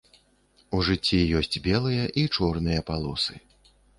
У жыцці ёсць белыя і чорныя палосы.